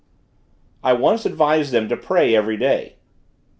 I once advised them to pray every day.